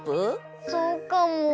そうかも。